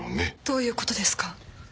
どういうことですか？